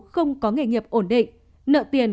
không có nghề nghiệp ổn định nợ tiền